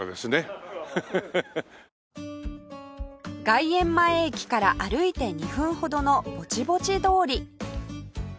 外苑前駅から歩いて２分ほどのボチボチ通り